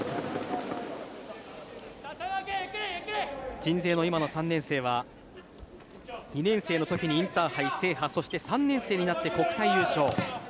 鎮西の今の３年生は２年生のときにインターハイ制覇そして３年生になって国体優勝。